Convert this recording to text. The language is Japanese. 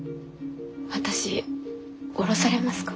私降ろされますか？